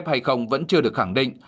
phép hay không vẫn chưa được khẳng định